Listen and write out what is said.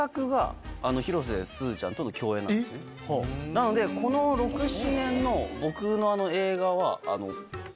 なのでこの６７年の僕の映画は。